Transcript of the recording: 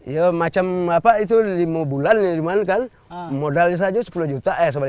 ya macam lima bulan modalnya saja sepuluh juta sebelas juta